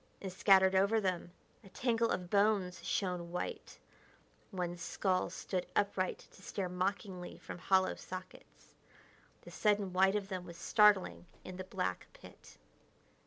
And, scattered over them, a tangle of bones shone white; one skull stood upright to stare mockingly from hollow sockets. The sudden white of them was startling in the black pit.